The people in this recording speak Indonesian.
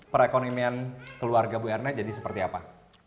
perekonomian keluarga bu erna jadi seperti apa